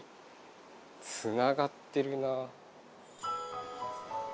つながってるな。